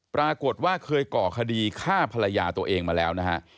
ปรากฏว่าเคยก่อคดีฆ่าภรรยาตัวเองมาแล้วนะฮะ